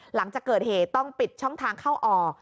หลังจากเกิดเหตุต้องปิดช่องทางเข้าออก